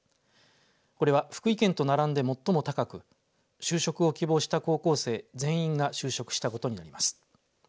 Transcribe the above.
これは福井県と並んで最も高く就職を希望した高校生全員が就職したことになります。